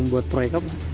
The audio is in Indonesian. buat proyek apa